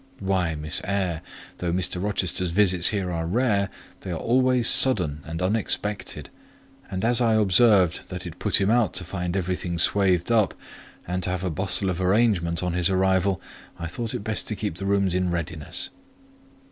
"Why, Miss Eyre, though Mr. Rochester's visits here are rare, they are always sudden and unexpected; and as I observed that it put him out to find everything swathed up, and to have a bustle of arrangement on his arrival, I thought it best to keep the rooms in readiness."